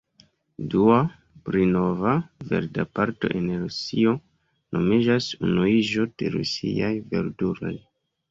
Dua, pli nova, verda partio en Rusio nomiĝas Unuiĝo de Rusiaj Verduloj.